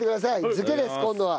漬けです今度は。